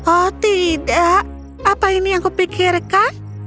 oh tidak apa ini yang kupikirkan